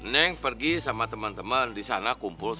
neng pergi sama temen temen disana